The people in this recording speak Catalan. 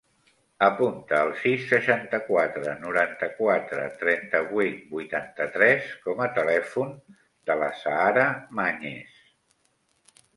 Apunta el sis, seixanta-quatre, noranta-quatre, trenta-vuit, vuitanta-tres com a telèfon de l'Azahara Mañez.